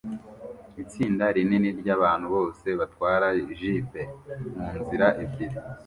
Itsinda rinini ryabantu bose batwara Jeeps munzira ebyiri